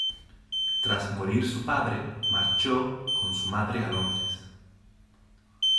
Tras morir su padre, marchó con su madre a Londres.